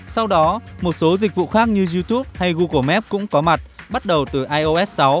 sau đó một số dịch vụ khác như youtube hay google map cũng có mặt bắt đầu từ ios sáu